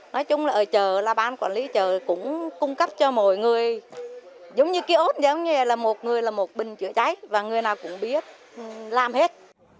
nói chung là ở chợ ban quản lý chợ cũng cung cấp cho mọi người giống như ký ốt một người là một bình chữa cháy và người nào cũng biết làm hết